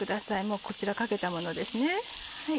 もうこちらかけたものですね。